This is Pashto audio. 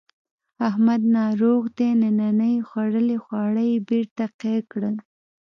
احمد ناروغ دی ننني خوړلي خواړه یې بېرته قی کړل.